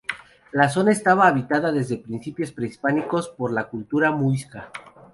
La zona estaba habitada desde tiempos prehispánicos, por la cultura Muisca.